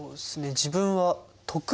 自分は得意！